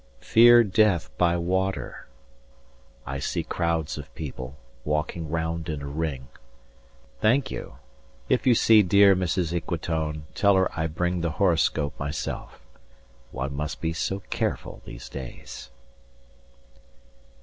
Fear death by water. 55 I see crowds of people, walking round in a ring. Thank you. If you see dear Mrs. Equitone, Tell her I bring the horoscope myself: One must be so careful these days.